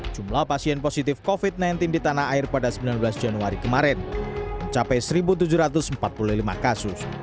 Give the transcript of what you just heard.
jumlah pasien positif covid sembilan belas di tanah air pada sembilan belas januari kemarin mencapai satu tujuh ratus empat puluh lima kasus